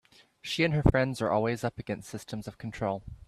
She and her friends are always up against systems of control.